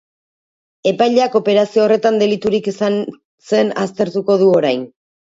Epaileak operazio horretan deliturik izan zen aztertuko du orain.